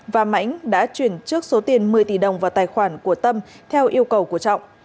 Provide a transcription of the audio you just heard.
và mãnh đã chuyển trước số tiền một mươi tỷ đồng vào tài khoản của tâm theo yêu cầu của trọng